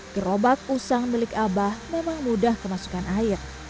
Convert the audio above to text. gerobak usang milik abah memang mudah kemasukan air